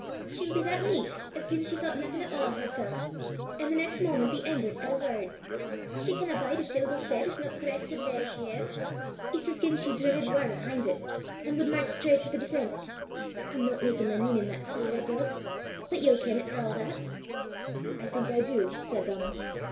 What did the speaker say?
She'll be that meek as gien she thoucht naething at a' o' hersel', an' the next moment be angert at a word. She canna bide a syllable said 'at 's no correc' to the verra hair. It's as gien she dreidit waur 'ahint it, an' wud mairch straucht to the defence. I'm no makin' my meanin' that clear, I doobt; but ye'll ken 't for a' that!" "I think I do," said Donal.